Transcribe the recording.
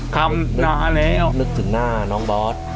คำนานแล้วนึกถึงหน้าน้องบอส